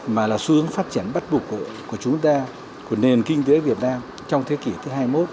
mà là xu hướng phát triển bắt buộc của chúng ta của nền kinh tế việt nam trong thế kỷ thứ hai mươi một